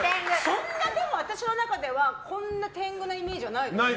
そんな、私の中ではこんな天狗なイメージはないですよ。